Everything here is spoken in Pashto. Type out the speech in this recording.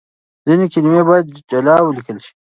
ځينې کلمې بايد جلا وليکل شي.